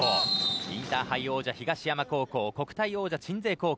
インターハイ王者、東山高校国体王者、鎮西高校